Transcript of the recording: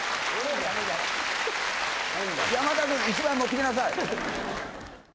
山田君、１枚持っていきなさい。